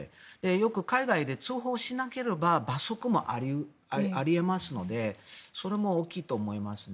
よく海外で通報しなければ罰則もあり得ますのでそれも大きいと思いますね。